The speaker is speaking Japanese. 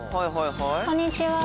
こんにちは。